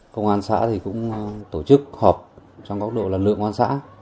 công an xã thì cũng tổ chức họp trong góc độ lần lượt của công an xã